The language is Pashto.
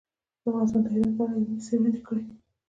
افغانستان د هرات په اړه علمي څېړنې لري.